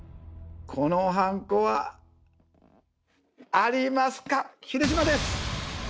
このはんこはありますか？